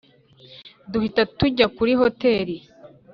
duhita tujya kuri hoteli.